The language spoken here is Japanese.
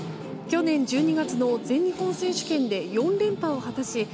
去年１２月の全日本選手権で４連覇を果たし